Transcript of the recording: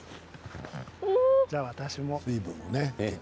じゃあ、私も。